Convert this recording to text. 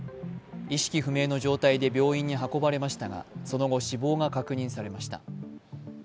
意識不明の状態で病院に運ばれましたがその後、死亡が確認されました。